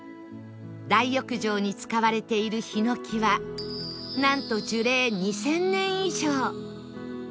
大浴場に使われている檜はなんと樹齢２０００年以上